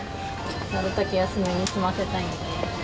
なるたけ安めに済ませたいんで。